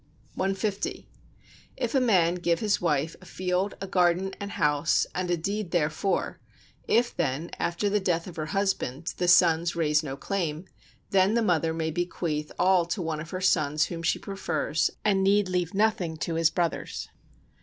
150. If a man give his wife a field, garden and house and a deed therefor, if then after the death of her husband the sons raise no claim, then the mother may bequeath all to one of her sons whom she prefers, and need leave nothing to his brothers.